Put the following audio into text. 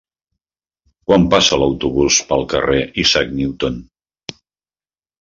Quan passa l'autobús pel carrer Isaac Newton?